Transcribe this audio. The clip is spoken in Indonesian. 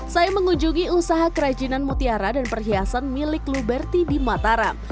saya mengunjungi usaha kerajinan mutiara dan perhiasan milik luberti di mataram